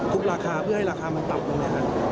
ราคาเพื่อให้ราคามันต่ำลง